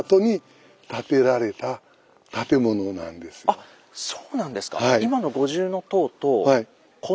あっそうなんですか。